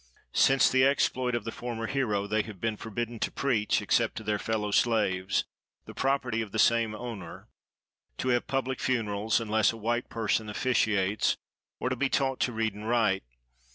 Since the exploit of the former hero, they have been forbidden to preach, except to their fellow slaves, the property of the same owner; to have public funerals, unless a white person officiates; or to be taught to read and write.